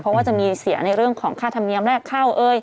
เพราะว่าจะมีเสียในเรื่องของค่าธรรมเนียมแรกเข้า